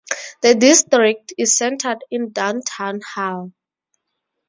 The district is centred in Downtown Hull.